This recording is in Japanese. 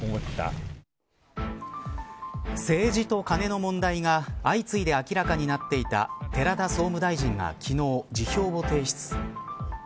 政治とカネの問題が相次いで明らかになっていた寺田総務大臣が昨日辞表を提出。